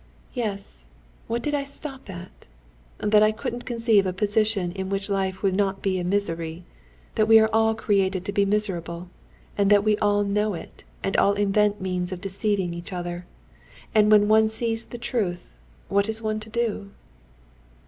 "Yes, what did I stop at? That I couldn't conceive a position in which life would not be a misery, that we are all created to be miserable, and that we all know it, and all invent means of deceiving each other. And when one sees the truth, what is one to do?"